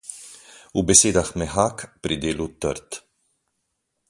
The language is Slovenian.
V besedah mehak, pri delu trd.